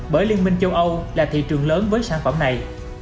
bởi liên minh châu âu là thị trường lớn với sản phẩm này